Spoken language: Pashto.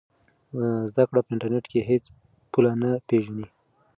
زده کړه په انټرنیټ کې هېڅ پوله نه پېژني.